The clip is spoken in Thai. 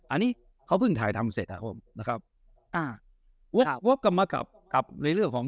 อันนี้เขาเพิ่งถ่ายทำเสร็จครับนะครับกลับในเรื่องของ